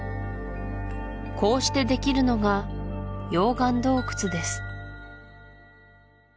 こうしてできるのが溶岩洞窟です